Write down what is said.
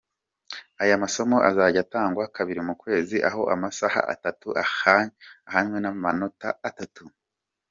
Aya masomo azajya atangwa kabiri mu kwezi aho amasaha atatu ahwanye n’amanota atatu.